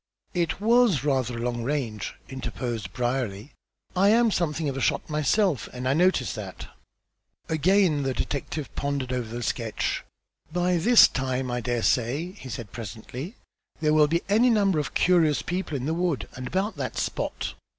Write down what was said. "It was rather a long range," interposed Brierly. "I am something of a shot myself and I noticed that." Again the detective pondered over the sketch. "By this time I dare say," he said presently, "there will be any number of curious people in the wood and about that spot."